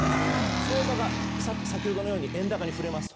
相場が先ほどのように円高に振れます。